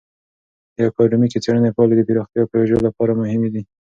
د اکادمیکې څیړنې پایلې د پراختیایي پروژو لپاره مهمې دي.